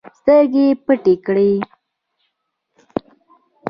سترګې پټې کړې